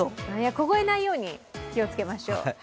凍えないように気をつけましょう。